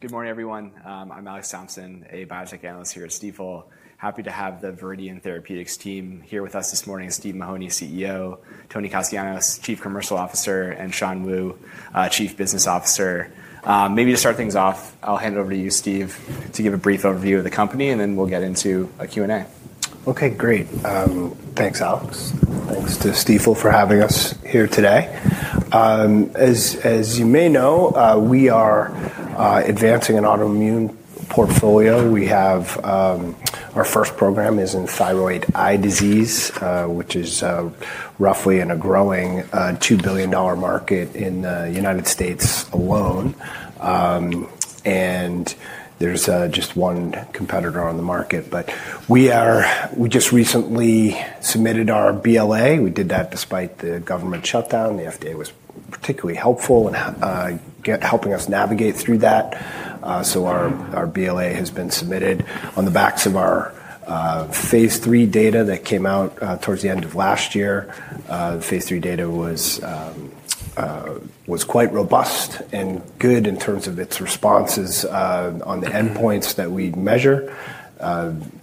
Good morning, everyone. I'm Alex Thompson, a biotech analyst here at Stifel. Happy to have the Viridian Therapeutics team here with us this morning: Steve Mahoney, CEO, Tony Castianos, Chief Commercial Officer, and Shan Wu, Chief Business Officer. Maybe to start things off, I'll hand it over to you, Steve, to give a brief overview of the company, and then we'll get into a Q&A. Okay, great. Thanks, Alex. Thanks to Stifel for having us here today. As you may know, we are advancing an autoimmune portfolio. Our first program is in thyroid eye disease, which is roughly in a growing $2 billion market in the United States alone. There's just one competitor on the market. We just recently submitted our BLA. We did that despite the government shutdown. The FDA was particularly helpful in helping us navigate through that. Our BLA has been submitted on the backs of our phase three data that came out towards the end of last year. The phase three data was quite robust and good in terms of its responses on the endpoints that we measure.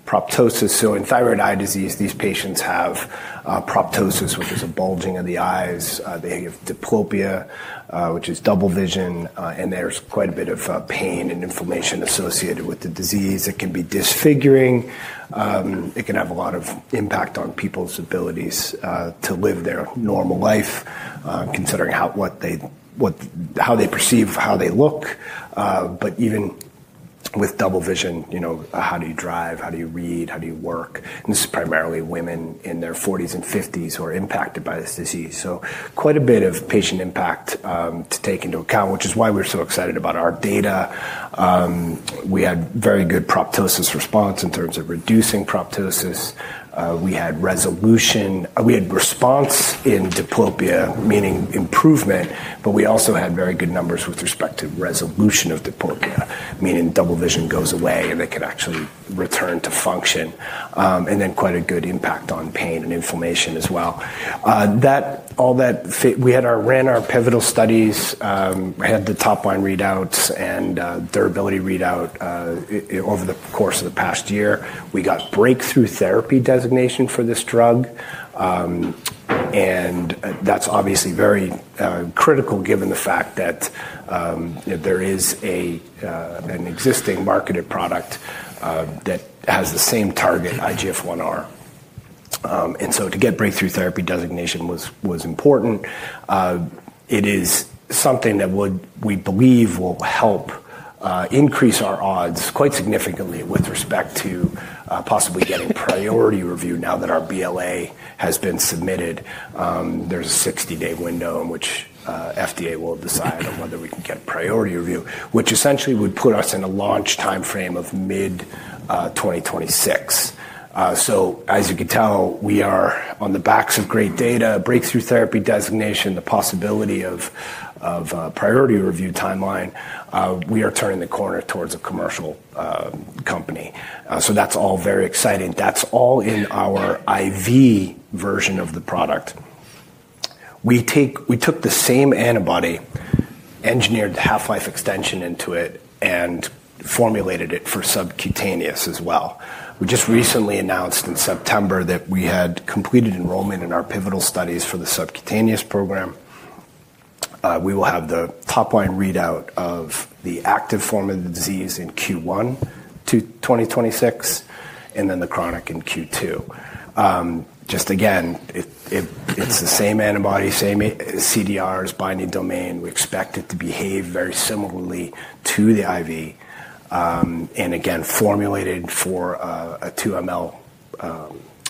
Proptosis: in thyroid eye disease, these patients have proptosis, which is a bulging of the eyes. They have diplopia, which is double vision, and there's quite a bit of pain and inflammation associated with the disease. It can be disfiguring. It can have a lot of impact on people's abilities to live their normal life, considering how they perceive how they look. Even with double vision, how do you drive? How do you read? How do you work? This is primarily women in their 40s and 50s who are impacted by this disease. Quite a bit of patient impact to take into account, which is why we're so excited about our data. We had very good proptosis response in terms of reducing proptosis. We had resolution, we had response in diplopia, meaning improvement, but we also had very good numbers with respect to resolution of diplopia, meaning double vision goes away and they can actually return to function. Quite a good impact on pain and inflammation as well. We ran our pivotal studies, had the top-line readouts and durability readout over the course of the past year. We got breakthrough therapy designation for this drug. That is obviously very critical given the fact that there is an existing marketed product that has the same target, IGF1R. To get breakthrough therapy designation was important. It is something that we believe will help increase our odds quite significantly with respect to possibly getting priority review now that our BLA has been submitted. There is a 60-day window in which the FDA will decide on whether we can get priority review, which essentially would put us in a launch timeframe of mid-2026. As you can tell, we are on the backs of great data, breakthrough therapy designation, the possibility of priority review timeline. We are turning the corner towards a commercial company. That's all very exciting. That's all in our IV version of the product. We took the same antibody, engineered half-life extension into it, and formulated it for subcutaneous as well. We just recently announced in September that we had completed enrollment in our pivotal studies for the subcutaneous program. We will have the top-line readout of the active form of the disease in Q1 2026, and then the chronic in Q2. Just again, it's the same antibody, same CDRs, binding domain. We expect it to behave very similarly to the IV. Again, formulated for a 2 mL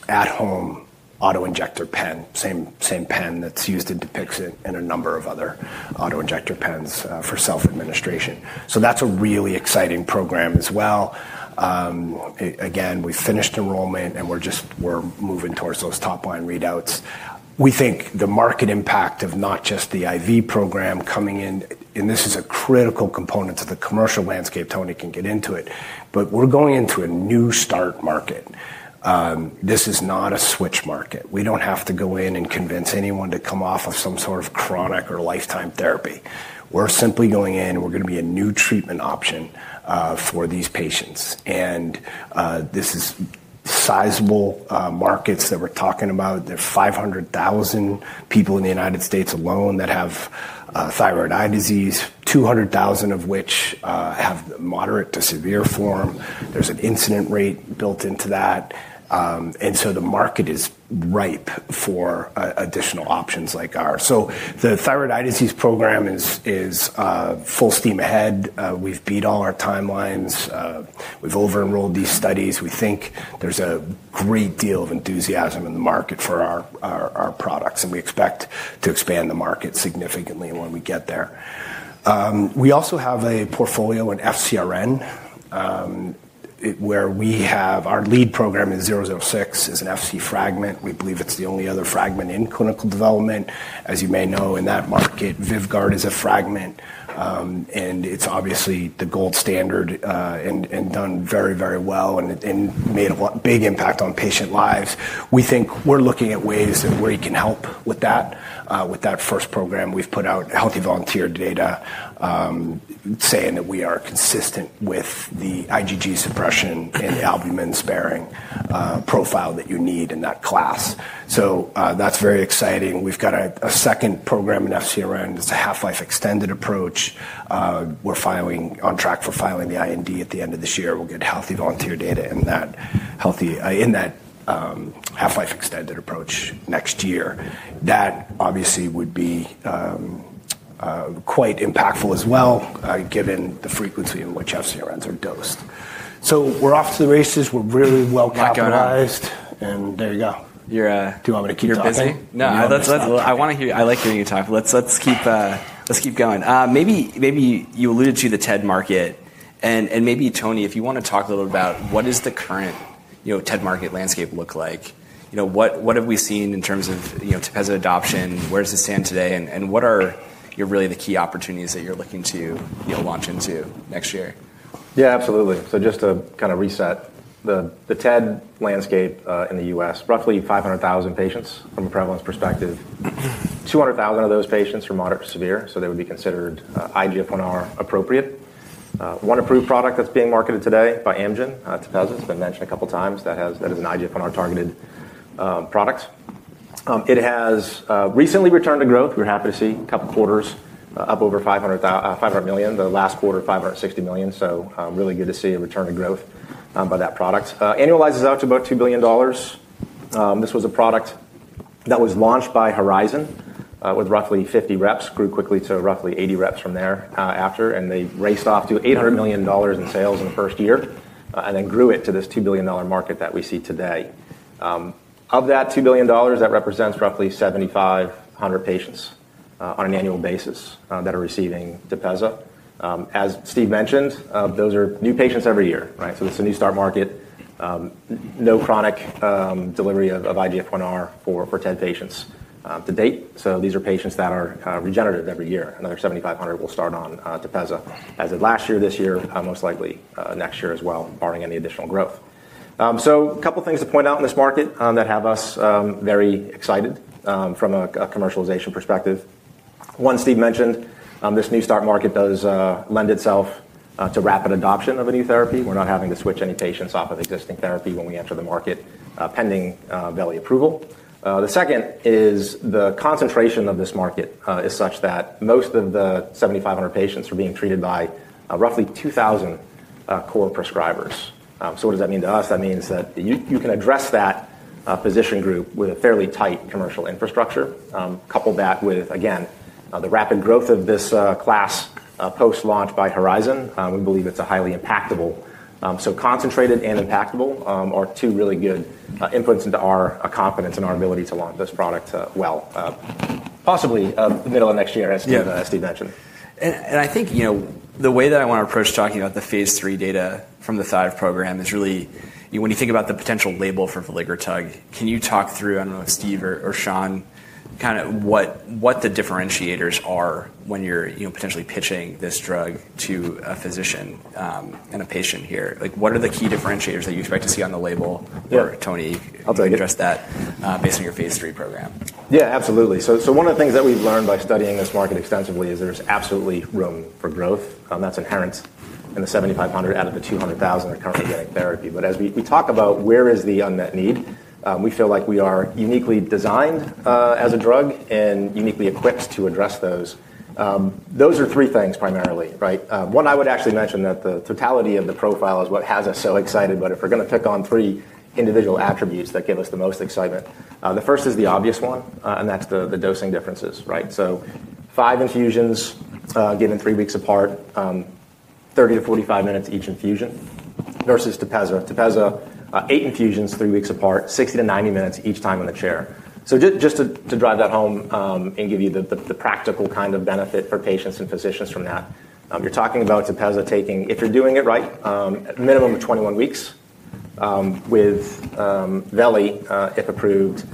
at-home autoinjector pen, same pen that's used in Dupixent and a number of other autoinjector pens for self-administration. That's a really exciting program as well. Again, we've finished enrollment and we're moving towards those top-line readouts. We think the market impact of not just the IV program coming in, and this is a critical component of the commercial landscape, Tony can get into it, but we're going into a new start market. This is not a switch market. We don't have to go in and convince anyone to come off of some sort of chronic or lifetime therapy. We're simply going in and we're going to be a new treatment option for these patients. This is sizable markets that we're talking about. There are 500,000 people in the United States alone that have thyroid eye disease, 200,000 of which have moderate to severe form. There's an incident rate built into that. The market is ripe for additional options like ours. The thyroid eye disease program is full steam ahead. We've beat all our timelines. We've over-enrolled these studies. We think there's a great deal of enthusiasm in the market for our products, and we expect to expand the market significantly when we get there. We also have a portfolio in FCRN where we have our lead program in 006 is an FC fragment. We believe it's the only other fragment in clinical development. As you may know, in that market, Vyvgart is a fragment, and it's obviously the gold standard and done very, very well and made a big impact on patient lives. We think we're looking at ways that we can help with that. With that first program, we've put out healthy volunteer data saying that we are consistent with the IgG suppression and albumin sparing profile that you need in that class. That's very exciting. We've got a second program in FCRN. It's a half-life extended approach. We're on track for filing the IND at the end of this year. We'll get healthy volunteer data in that half-life extended approach next year. That obviously would be quite impactful as well given the frequency in which FCRNs are dosed. We're off to the races. We're really well-capitalized. There you go. Do you want me to keep talking? No, I like hearing you talk. Let's keep going. Maybe you alluded to the TED market. Maybe, Tony, if you want to talk a little about what does the current TED market landscape look like? What have we seen in terms of Tepezza adoption? Where does it stand today? What are really the key opportunities that you're looking to launch into next year? Yeah, absolutely. Just to kind of reset, the TED landscape in the U.S., roughly 500,000 patients from a prevalence perspective. 200,000 of those patients are moderate to severe, so they would be considered IGF1R appropriate. One approved product that's being marketed today by Amgen, Tepezza has been mentioned a couple of times. That is an IGF1R targeted product. It has recently returned to growth. We're happy to see a couple of quarters up over $500 million. The last quarter, $560 million. Really good to see a return to growth by that product. Annualizes out to about $2 billion. This was a product that was launched by Horizon with roughly 50 reps, grew quickly to roughly 80 reps from there after, and they raced off to $800 million in sales in the first year, and then grew it to this $2 billion market that we see today. Of that $2 billion, that represents roughly 7,500 patients on an annual basis that are receiving Tepezza. As Steve mentioned, those are new patients every year. It's a new start market. No chronic delivery of IGF1R for TED patients to date. These are patients that are regenerative every year. Another 7,500 will start on Tepezza as of last year, this year, most likely next year as well, barring any additional growth. A couple of things to point out in this market that have us very excited from a commercialization perspective. One, Steve mentioned, this new start market does lend itself to rapid adoption of a new therapy. We're not having to switch any patients off of existing therapy when we enter the market pending Veli approval. The second is the concentration of this market is such that most of the 7,500 patients are being treated by roughly 2,000 core prescribers. What does that mean to us? That means that you can address that physician group with a fairly tight commercial infrastructure. Couple that with, again, the rapid growth of this class post-launch by Horizon. We believe it's highly impactable. Concentrated and impactable are two really good inputs into our confidence and our ability to launch this product well, possibly middle of next year, as Steve mentioned. I think the way that I want to approach talking about the phase three data from the THRIVE program is really, when you think about the potential label for veligrotug, can you talk through, I do not know if Steve or Shan, kind of what the differentiators are when you are potentially pitching this drug to a physician and a patient here? What are the key differentiators that you expect to see on the label? Tony, address that based on your phase three program. Yeah, absolutely. One of the things that we've learned by studying this market extensively is there's absolutely room for growth. That's inherent in the 7,500 out of the 200,000 are currently getting therapy. As we talk about where is the unmet need, we feel like we are uniquely designed as a drug and uniquely equipped to address those. Those are three things primarily. One, I would actually mention that the totality of the profile is what has us so excited. If we're going to pick on three individual attributes that give us the most excitement, the first is the obvious one, and that's the dosing differences. Five infusions given three weeks apart, 30-45 minutes each infusion, versus Tepezza. Tepezza, eight infusions three weeks apart, 60-90 minutes each time on the chair. Just to drive that home and give you the practical kind of benefit for patients and physicians from that, you're talking about Tepezza taking, if you're doing it right, a minimum of 21 weeks. With veli, if approved,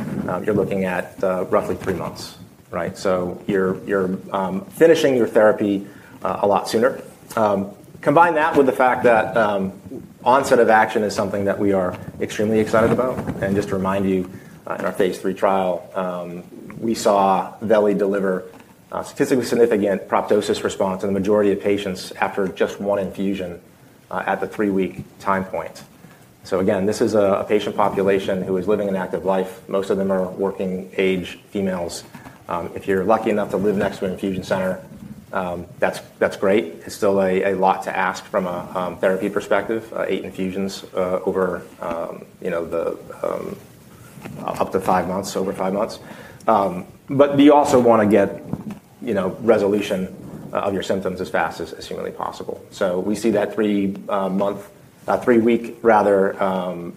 you're looking at roughly three months. You're finishing your therapy a lot sooner. Combine that with the fact that onset of action is something that we are extremely excited about. Just to remind you, in our phase three trial, we saw veli deliver statistically significant proptosis response in the majority of patients after just one infusion at the three-week time point. Again, this is a patient population who is living an active life. Most of them are working-age females. If you're lucky enough to live next to an infusion center, that's great. It's still a lot to ask from a therapy perspective, eight infusions over up to five months, over five months. You also want to get resolution of your symptoms as fast as humanly possible. We see that three-week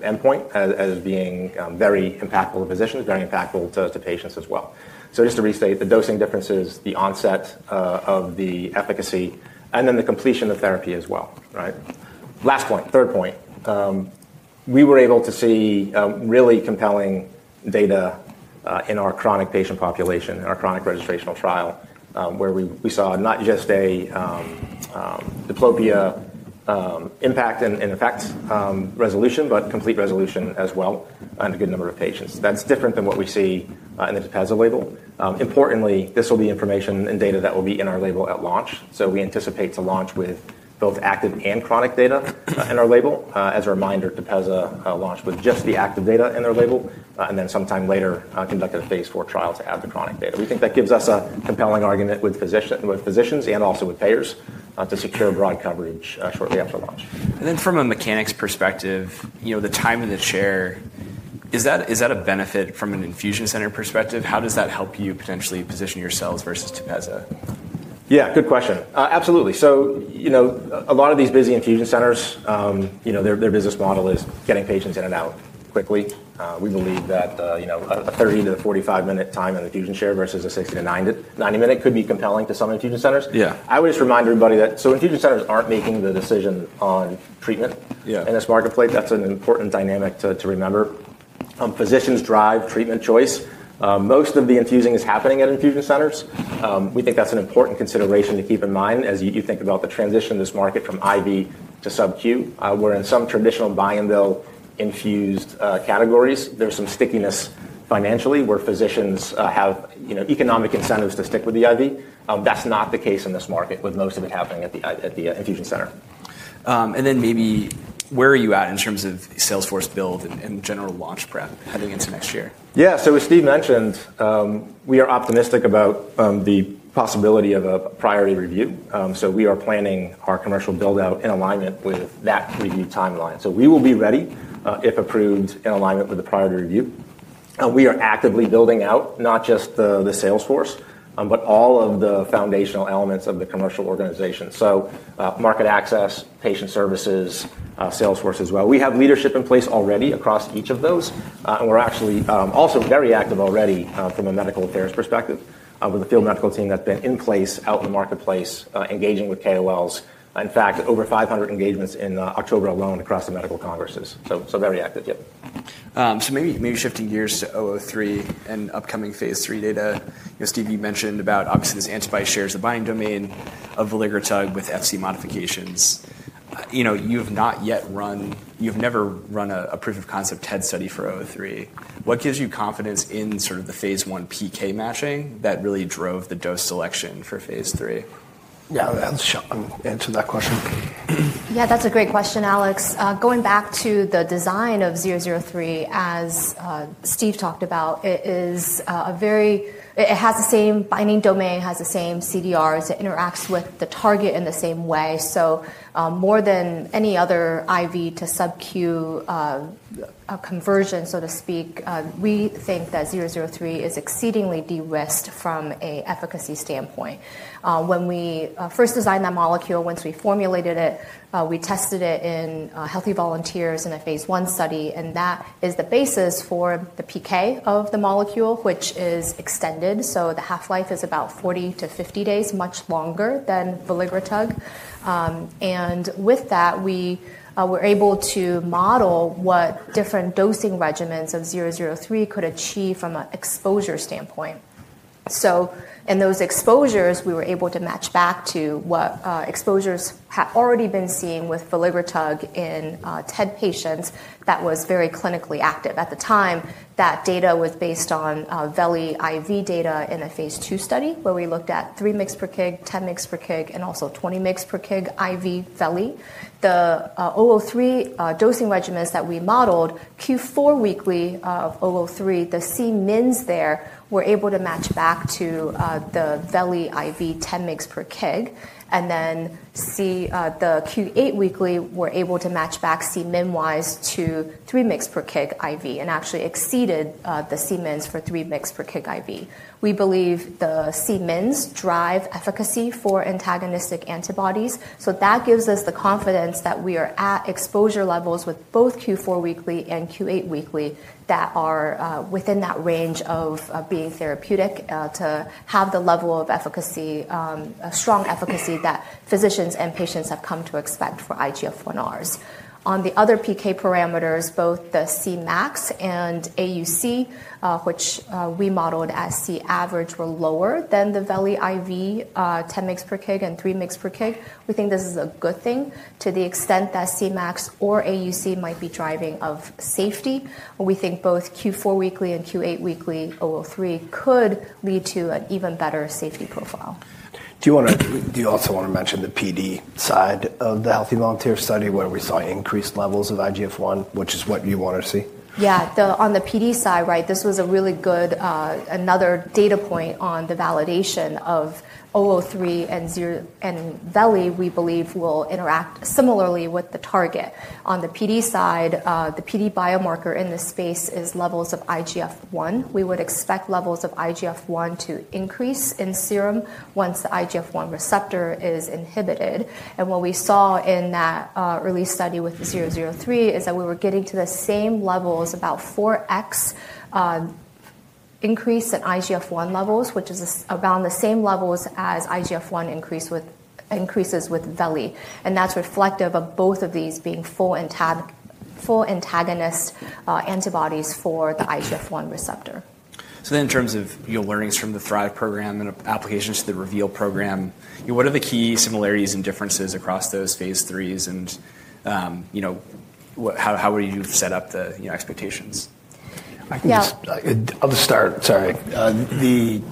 endpoint as being very impactful to physicians, very impactful to patients as well. Just to restate, the dosing differences, the onset of the efficacy, and then the completion of therapy as well. Last point, third point. We were able to see really compelling data in our chronic patient population, in our chronic registrational trial, where we saw not just a diplopia impact and effect resolution, but complete resolution as well in a good number of patients. That's different than what we see in the Tepezza label. Importantly, this will be information and data that will be in our label at launch. We anticipate to launch with both active and chronic data in our label. As a reminder, Tepezza launched with just the active data in their label, and then sometime later conducted a phase four trial to add the chronic data. We think that gives us a compelling argument with physicians and also with payers to secure broad coverage shortly after launch. From a mechanics perspective, the time in the chair, is that a benefit from an infusion center perspective? How does that help you potentially position yourselves versus Tepezza? Yeah, good question. Absolutely. A lot of these busy infusion centers, their business model is getting patients in and out quickly. We believe that a 30-45 minute time in the infusion chair versus a 60-90 minute could be compelling to some infusion centers. I would just remind everybody that infusion centers aren't making the decision on treatment in this marketplace. That's an important dynamic to remember. Physicians drive treatment choice. Most of the infusing is happening at infusion centers. We think that's an important consideration to keep in mind as you think about the transition of this market from IV to subcu, where in some traditional buy-and-bill infused categories, there's some stickiness financially where physicians have economic incentives to stick with the IV. That's not the case in this market with most of it happening at the infusion center. Maybe where are you at in terms of Salesforce build and general launch prep heading into next year? Yeah, so as Steve mentioned, we are optimistic about the possibility of a priority review. We are planning our commercial buildout in alignment with that review timeline. We will be ready if approved in alignment with the priority review. We are actively building out not just the Salesforce, but all of the foundational elements of the commercial organization: market access, patient services, Salesforce as well. We have leadership in place already across each of those. We are actually also very active already from a medical affairs perspective with a field medical team that has been in place out in the marketplace, engaging with KOLs. In fact, over 500 engagements in October alone across the medical congresses. Very active, yeah. Maybe shifting gears to 003 and upcoming phase three data. Steve mentioned about OXIDA's antibody shares a binding domain of veligrotug with Fc modifications. You have not yet run, you've never run a proof of concept TED study for 003. What gives you confidence in sort of the phase one PK matching that really drove the dose selection for phase three? Yeah, I'll answer that question. Yeah, that's a great question, Alex. Going back to the design of 003, as Steve talked about, it is a very, it has the same binding domain, has the same CDRs, it interacts with the target in the same way. More than any other IV to subcu conversion, so to speak, we think that 003 is exceedingly de-risked from an efficacy standpoint. When we first designed that molecule, once we formulated it, we tested it in healthy volunteers in a phase one study, and that is the basis for the PK of the molecule, which is extended. The half-life is about 40-50 days, much longer than veligrotug. With that, we were able to model what different dosing regimens of 003 could achieve from an exposure standpoint. In those exposures, we were able to match back to what exposures had already been seen with veligrotug in TED patients that was very clinically active. At the time, that data was based on veli IV data in a phase two study where we looked at 3 mg per kg, 10 mg per kg, and also 20 mg per kg IV veli. The 003 dosing regimens that we modeled, Q4 weekly of 003, the CMINs there were able to match back to the Veli IV 10 mg per kg. The Q8 weekly were able to match back CMIN-wise to 3 mg per kg IV and actually exceeded the CMINs for 3 mg per kg IV. We believe the CMINs drive efficacy for antagonistic antibodies. That gives us the confidence that we are at exposure levels with both Q4 weekly and Q8 weekly that are within that range of being therapeutic to have the level of efficacy, strong efficacy that physicians and patients have come to expect for IGF1Rs. On the other PK parameters, both the CMAX and AUC, which we modeled as C average, were lower than the Veli IV 10 mg per kg and 3 mg per kg. We think this is a good thing to the extent that CMAX or AUC might be driving of safety. We think both Q4 weekly and Q8 weekly 003 could lead to an even better safety profile. Do you also want to mention the PD side of the healthy volunteer study where we saw increased levels of IGF1, which is what you want to see? Yeah, on the PD side, this was a really good another data point on the validation of 003 and Veli, we believe will interact similarly with the target. On the PD side, the PD biomarker in this space is levels of IGF1. We would expect levels of IGF1 to increase in serum once the IGF1 receptor is inhibited. What we saw in that early study with 003 is that we were getting to the same levels, about 4x increase in IGF1 levels, which is around the same levels as IGF1 increases with veli. That is reflective of both of these being full antagonist antibodies for the IGF1 receptor. Then in terms of your learnings from the THRIVE program and applications to the REVEAL program, what are the key similarities and differences across those phase threes? And how would you set up the expectations? I think I'll just start. Sorry. The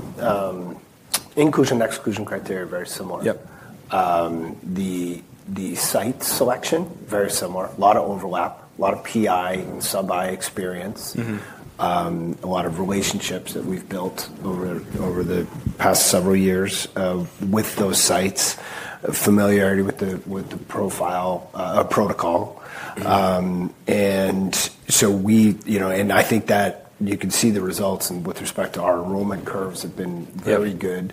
inclusion and exclusion criteria are very similar. The site selection, very similar. A lot of overlap, a lot of PI and sub-I experience, a lot of relationships that we've built over the past several years with those sites, familiarity with the profile protocol. I think that you can see the results with respect to our enrollment curves have been very good.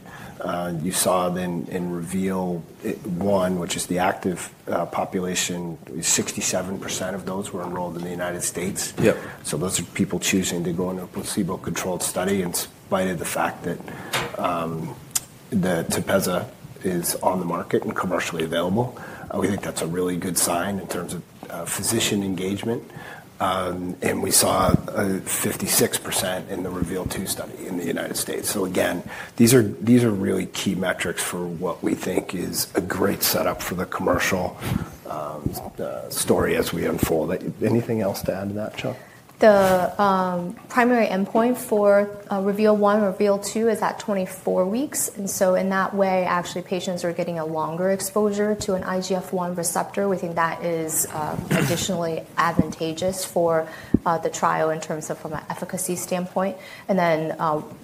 You saw in REVEAL-1, which is the active population, 67% of those were enrolled in the United States. Those are people choosing to go into a placebo-controlled study in spite of the fact that Tepezza is on the market and commercially available. We think that's a really good sign in terms of physician engagement. We saw 56% in the REVEAL-2 study in the United States. Again, these are really key metrics for what we think is a great setup for the commercial story as we unfold. Anything else to add to that, Shan? The primary endpoint for REVEAL-1 and REVEAL-2 is at 24 weeks. In that way, actually, patients are getting a longer exposure to an IGF1R. We think that is additionally advantageous for the trial in terms of from an efficacy standpoint.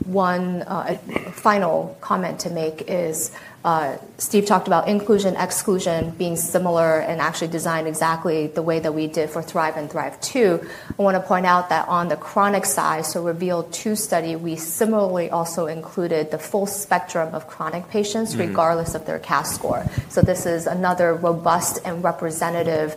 One final comment to make is Steve talked about inclusion and exclusion being similar and actually designed exactly the way that we did for THRIVE and THRIVE-2. I want to point out that on the chronic side, so REVEAL-2 study, we similarly also included the full spectrum of chronic patients regardless of their CAS score. This is another robust and representative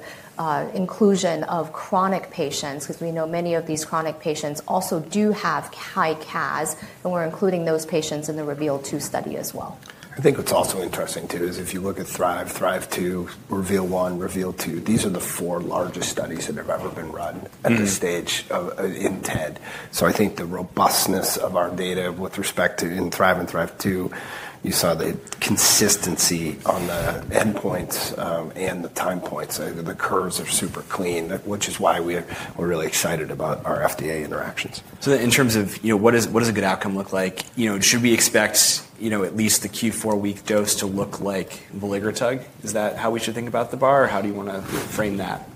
inclusion of chronic patients because we know many of these chronic patients also do have high CAS, and we're including those patients in the REVEAL-2 study as well. I think what's also interesting too is if you look at THRIVE, THRIVE-2, REVEAL-1, REVEAL-2, these are the four largest studies that have ever been run at this stage in TED. I think the robustness of our data with respect to in THRIVE and THRIVE-2, you saw the consistency on the endpoints and the time points. The curves are super clean, which is why we're really excited about our FDA interactions. In terms of what does a good outcome look like, should we expect at least the Q4 week dose to look like veligrotug? Is that how we should think about the bar? How do you want to frame that?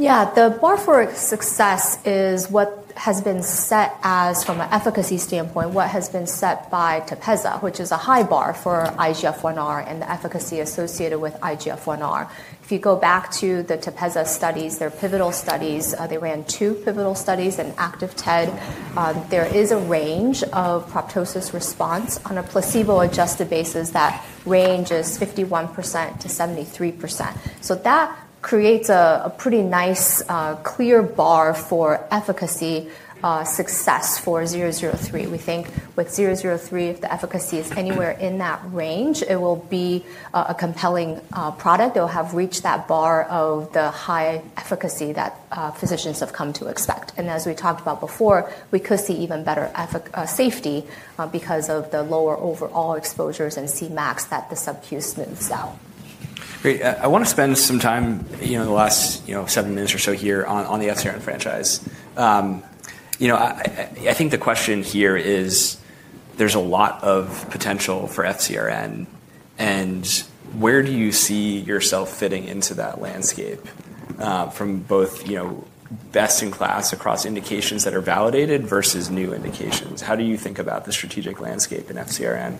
Yeah, the bar for success is what has been set as from an efficacy standpoint, what has been set by Tepezza, which is a high bar for IGF1R and the efficacy associated with IGF1R. If you go back to the Tepezza studies, their pivotal studies, they ran two pivotal studies in active TED. There is a range of proptosis response on a placebo-adjusted basis that ranges 51%-73%. That creates a pretty nice clear bar for efficacy success for 003. We think with 003, if the efficacy is anywhere in that range, it will be a compelling product. It will have reached that bar of the high efficacy that physicians have come to expect. As we talked about before, we could see even better safety because of the lower overall exposures and CMAX that the subcu smooths out. Great. I want to spend some time in the last seven minutes or so here on the FCRN franchise. I think the question here is there's a lot of potential for FCRN. And where do you see yourself fitting into that landscape from both best in class across indications that are validated versus new indications? How do you think about the strategic landscape in FCRN?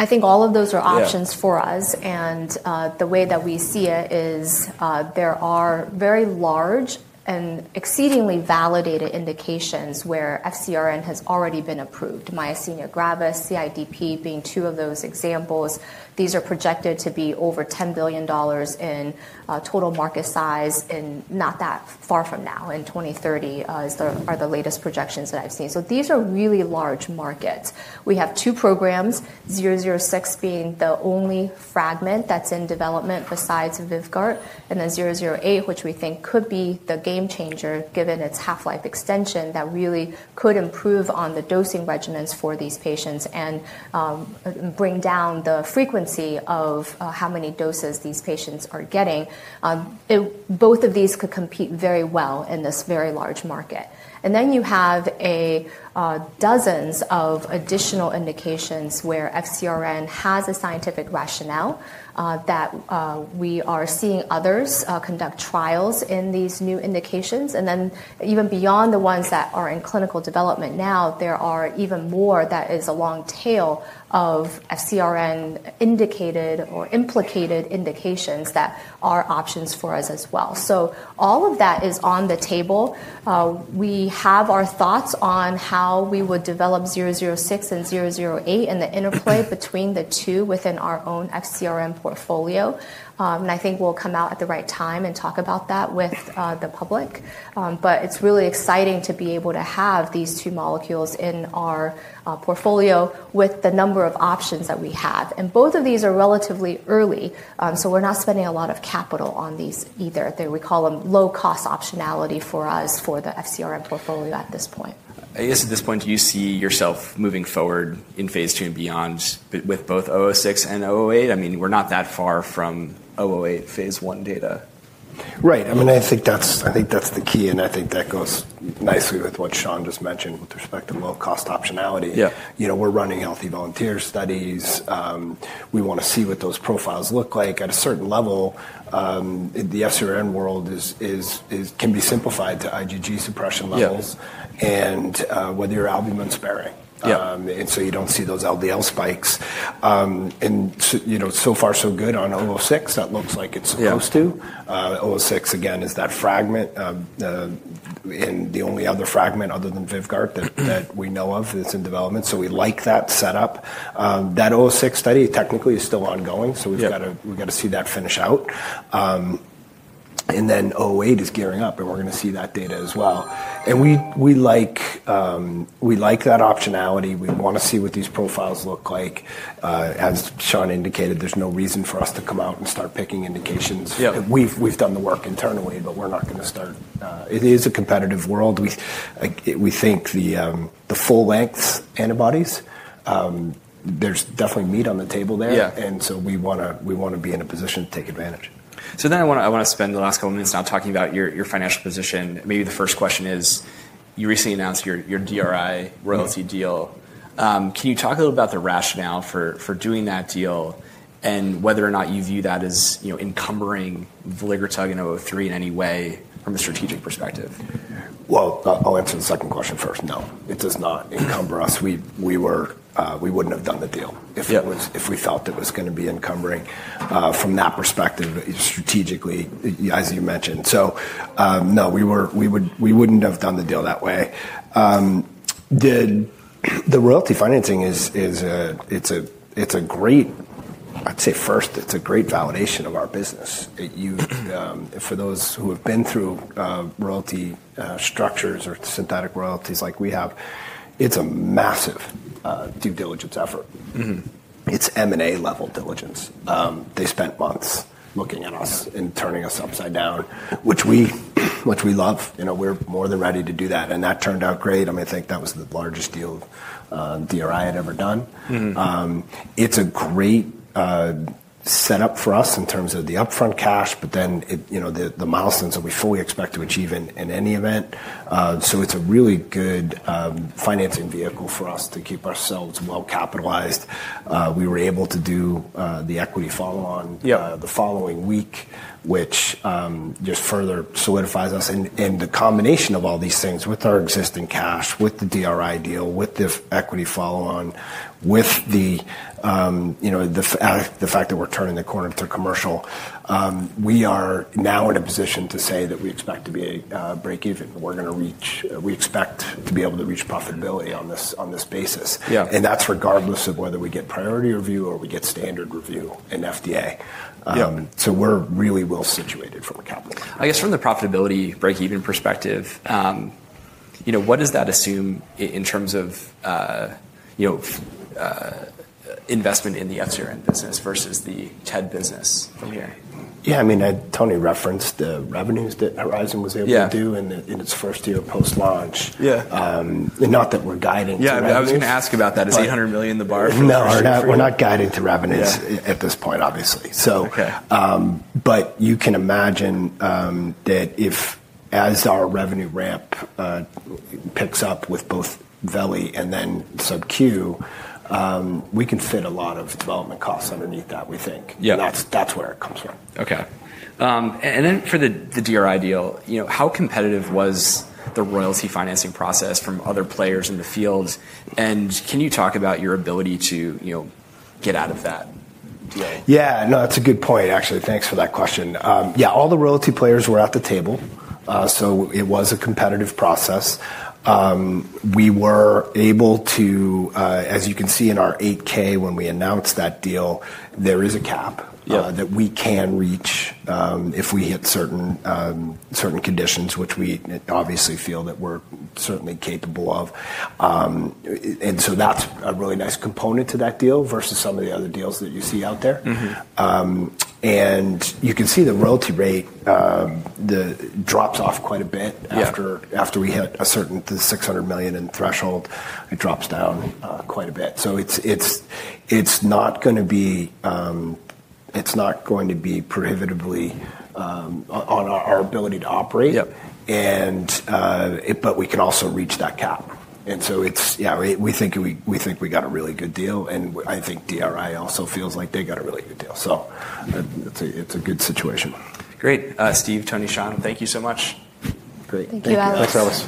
I think all of those are options for us. The way that we see it is there are very large and exceedingly validated indications where FCRN has already been approved. Myasthenia gravis, CIDP being two of those examples. These are projected to be over $10 billion in total market size and not that far from now in 2030 are the latest projections that I've seen. These are really large markets. We have two programs, 006 being the only fragment that's in development besides Vyvgart, and then 008, which we think could be the game changer given its half-life extension that really could improve on the dosing regimens for these patients and bring down the frequency of how many doses these patients are getting. Both of these could compete very well in this very large market. You have dozens of additional indications where FCRN has a scientific rationale that we are seeing others conduct trials in these new indications. Even beyond the ones that are in clinical development now, there are even more that is a long tail of FCRN-indicated or implicated indications that are options for us as well. All of that is on the table. We have our thoughts on how we would develop 006 and 008 and the interplay between the two within our own FCRN portfolio. I think we'll come out at the right time and talk about that with the public. It is really exciting to be able to have these two molecules in our portfolio with the number of options that we have. Both of these are relatively early. We're not spending a lot of capital on these either. We call them low-cost optionality for us for the FCRN portfolio at this point. I guess at this point, do you see yourself moving forward in phase two and beyond with both 006 and 008? I mean, we're not that far from 008 phase one data. Right. I mean, I think that's the key. I think that goes nicely with what Shan just mentioned with respect to low-cost optionality. We're running healthy volunteer studies. We want to see what those profiles look like. At a certain level, the FCRN world can be simplified to IgG suppression levels and whether you're albumin sparing. You don't see those LDL spikes. So far, so good on 006. That looks like it's supposed to. 006, again, is that fragment. The only other fragment other than Vyvgart that we know of that's in development. We like that setup. That 006 study technically is still ongoing. We've got to see that finish out. 008 is gearing up, and we're going to see that data as well. We like that optionality. We want to see what these profiles look like. As Shan indicated, there's no reason for us to come out and start picking indications. We've done the work internally, but we're not going to start. It is a competitive world. We think the full-length antibodies, there's definitely meat on the table there. We want to be in a position to take advantage. I want to spend the last couple of minutes now talking about your financial position. Maybe the first question is you recently announced your DRI royalty deal. Can you talk a little about the rationale for doing that deal and whether or not you view that as encumbering veligrotug and 003 in any way from a strategic perspective? I'll answer the second question first. No. It does not encumber us. We wouldn't have done the deal if we felt it was going to be encumbering from that perspective strategically, as you mentioned. No, we wouldn't have done the deal that way. The royalty financing, it's a great, I'd say first, it's a great validation of our business. For those who have been through royalty structures or synthetic royalties like we have, it's a massive due diligence effort. It's M&A level diligence. They spent months looking at us and turning us upside down, which we love. We're more than ready to do that. That turned out great. I mean, I think that was the largest deal DRI had ever done. It's a great setup for us in terms of the upfront cash, but then the milestones that we fully expect to achieve in any event. It's a really good financing vehicle for us to keep ourselves well capitalized. We were able to do the equity follow-on the following week, which just further solidifies us. The combination of all these things with our existing cash, with the DRI deal, with the equity follow-on, with the fact that we're turning the corner to commercial, we are now in a position to say that we expect to be at break-even. We're going to reach, we expect to be able to reach profitability on this basis. That's regardless of whether we get priority review or we get standard review in FDA. We're really well situated from a capital perspective. I guess from the profitability break-even perspective, what does that assume in terms of investment in the FCRN business versus the TED business from here? Yeah. I mean, Tony referenced the revenues that Horizon was able to do in its first year post-launch. Not that we're guiding to revenue. Yeah, I was going to ask about that. Is $800 million the bar for Horizon? No, we're not guiding to revenues at this point, obviously. You can imagine that if as our revenue ramp picks up with both Veli and then subq, we can fit a lot of development costs underneath that, we think. That's where it comes from. Okay. For the DRI deal, how competitive was the royalty financing process from other players in the field? Can you talk about your ability to get out of that deal? Yeah. No, that's a good point, actually. Thanks for that question. Yeah, all the royalty players were at the table. It was a competitive process. We were able to, as you can see in our 8K when we announced that deal, there is a cap that we can reach if we hit certain conditions, which we obviously feel that we're certainly capable of. That is a really nice component to that deal versus some of the other deals that you see out there. You can see the royalty rate drops off quite a bit after we hit a certain $600 million in threshold. It drops down quite a bit. It is not going to be prohibitively on our ability to operate, but we can also reach that cap. Yeah, we think we got a really good deal. I think DRI also feels like they got a really good deal. It is a good situation. Great. Steve, Tony, Shan, thank you so much. Thank you, Alex.